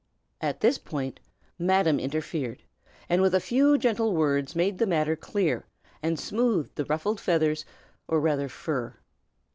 At this point Madam interfered, and with a few gentle words made the matter clear, and smoothed the ruffled feathers or rather fur.